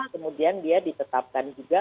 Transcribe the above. kemudian dia ditetapkan juga